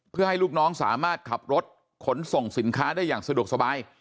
เพื่อให้ลูกน้องสามารถขับรถขนส่งสินค้าได้อย่างสะดวกสบาย